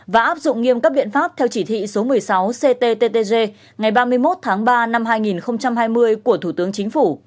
và áp dụng nghiêm các biện pháp theo chỉ thị số một mươi sáu cttg ngày ba mươi một tháng ba năm hai nghìn hai mươi của thủ tướng chính phủ